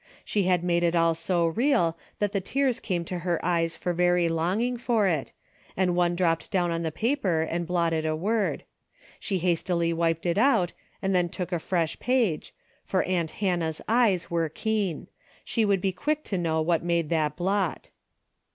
She made it all so real that the tears came to her eyes for very longing for it, and one dropped down on the paper and blotted a word. She hastily wiped it out, and then took a fresh page, for aunt Hannah's eyes were keen. She would be quick to know what made that blot.